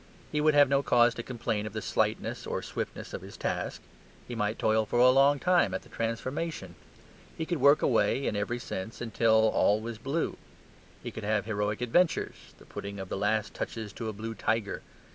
He would have no cause to complain of the slightness or swiftness of his task; he might toil for a long time at the transformation; he could work away (in every sense) until all was blue. He could have heroic adventures; the putting of the last touches to a blue tiger.